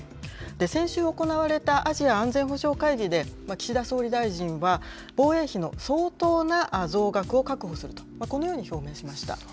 先週、行われたアジア安全保障会議で、岸田総理大臣は、防衛費の相当な増額を確保すると、このように表明しました。